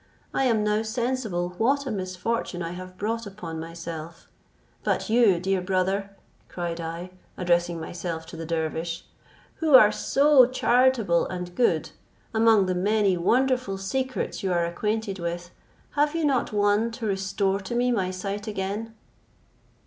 I am now sensible what a misfortune I have brought upon myself; but you, dear brother," cried I, addressing myself to the dervish, "who are so charitable and good, among the many wonderful secrets you are acquainted with, have you not one to restore to me my sight again?"